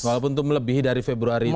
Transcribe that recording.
walaupun itu melebihi dari februari itu ya